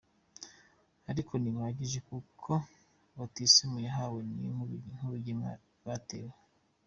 Ariko ntibihagije, kuko batisimu wahawe ni nk’urugemwe rwatewe.